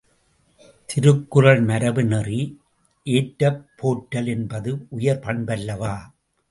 திருக்குறள் மரபுநெறி ஏற்றுப் போற்றல் என்பது உயர் பண்பல்லவா?